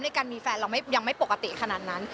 การมีแฟนเรายังไม่ปกติขนาดนั้น